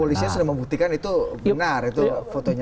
polisnya sudah membuktikan itu benar itu foto nyata